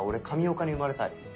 神岡に生まれたい。